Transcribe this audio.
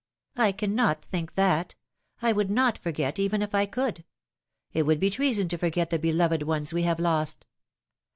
" I cannot think that. I would not forget, even if I could. It would be treason to forget the beloved ones we have lost."